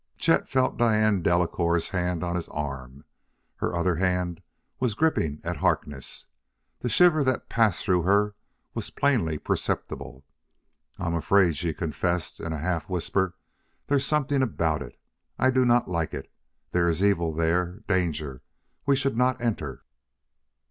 Chet felt Diane Delacouer's hand on his arm; her other hand was gripping at Harkness. The shiver that passed through her was plainly perceptible. "I'm afraid," she confessed in a half whisper; "there's something about it: I do not like it. There is evil there danger. We should not enter."